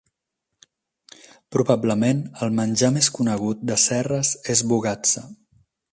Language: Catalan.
Probablement el menjar més conegut de Serres és Bougatsa.